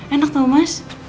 enak tau mas